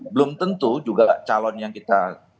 belum tentu juga calon yang kita